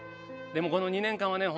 でもこの２年間はね